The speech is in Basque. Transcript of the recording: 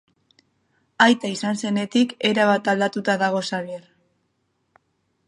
Aita izan zenetik, erabat aldatuta dago Xabier.